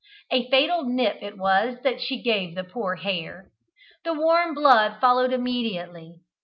A fatal nip it was that she gave the poor hare. The warm blood followed immediately.